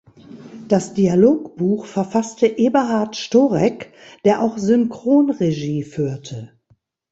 Das Dialogbuch verfasste Eberhard Storeck, der auch Synchronregie führte.